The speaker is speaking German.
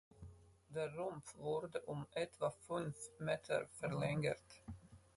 Der Rumpf wurde um etwa fünf Meter verlängert.